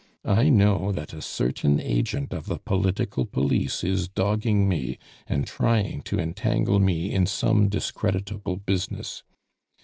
I know that a certain agent of the political police is dogging me, and trying to entangle me in some discreditable business.